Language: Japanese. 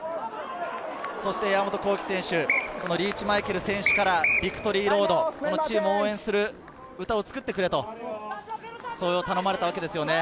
山本幸輝選手はリーチ・マイケル選手からビクトリーロード、チームを応援する歌を作ってくれと頼まれたわけですよね。